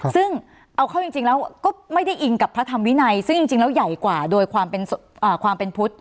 ซึ่งเอาเข้าจริงแล้วก็ไม่ได้อิงกับพระธรรมวินัยซึ่งจริงแล้วใหญ่กว่าโดยความเป็นพุทธ